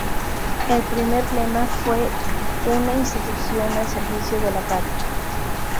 El primer lema fue "Una Institución al Servicio de la Patria".